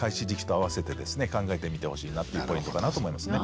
考えてみてほしいなっていうポイントかなと思いますね。